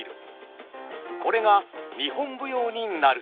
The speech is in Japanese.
これが日本舞踊になると。